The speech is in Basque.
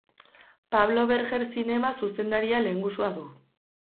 Pablo Berger zinema zuzendaria lehengusua du.